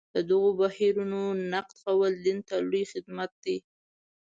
د دغو بهیرونو نقد کول دین ته لوی خدمت دی.